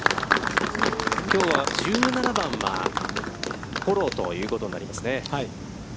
きょうは、１７番はフォローということになりますね。